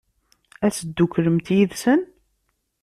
Ad tedduklemt yid-sen?